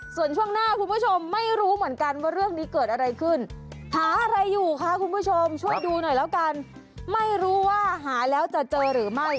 ส่วนช่วงหน้าคุณผู้ชมไม่รู้เหมือนกันว่าเรื่องนี้เกิดอะไรขึ้นหาอะไรอยู่คะคุณผู้ชมช่วยดูหน่อยแล้วกันไม่รู้ว่าหาแล้วจะเจอหรือไม่